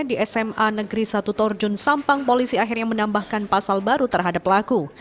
di sma negeri satu torjun sampang polisi akhirnya menambahkan pasal baru terhadap pelaku